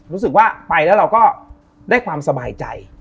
รู้สึกว่าไปแล้วเราก็ได้ความสบายใจ